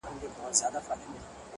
• چا د غرونو چا د ښار خواته ځغستله ,